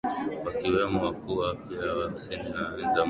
Wakiwemo wakuu wapya hamsini na tisa na wa zamani ni themanini na tatu